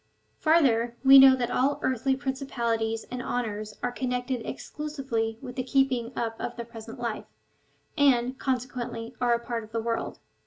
Farther, we know that all earthly prin cipalities and honours are connected exclusively w^ith the keeping up of the present life, and, consequently, are a part of the world.